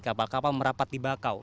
kapal kapal merapat di bakau